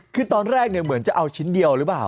คือตอนแรกเนี่ยเหมือนจะเอาชิ้นเดียวหรือเปล่า